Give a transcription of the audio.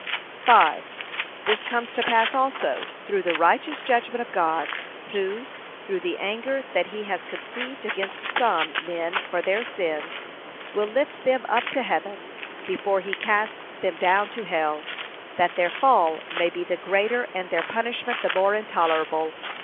5. This comes to pass, also, through the righteous judgment of God, who, through the anger that he has conceived against some men for their sins, will lift them up to heaven before he casts them down to hell, that their fall may be the greater and their punishment the more intolerable.